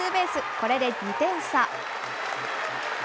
これで２点差。